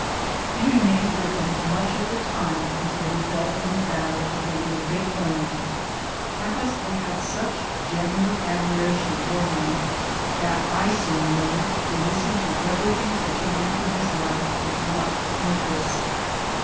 He remained with him much of the time, until he fell in the battle of the Little Big Horn. My husband had such genuine admiration for him that I soon learned to listen to everything pertain ing to his life with marked interest.